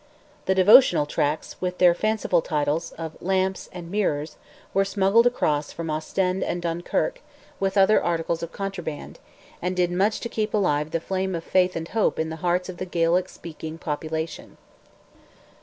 The devotional tracts, with their fanciful titles, of "Lamps," and "Mirrors," were smuggled across from Ostend and Dunkirk with other articles of contraband, and did much to keep alive the flame of faith and hope in the hearts of the Gaelic speaking population.